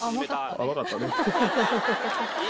甘かったね。